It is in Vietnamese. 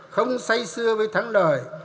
không say sưa với thắng đời